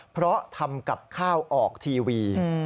เพราะทำกับข้าวออกทีวี